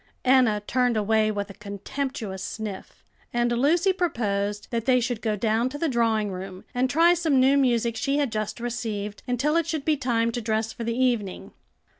Enna turned away with a contemptuous sniff, and Lucy proposed that they should go down to the drawing room, and try some new music she had just received, until it should be time to dress for the evening.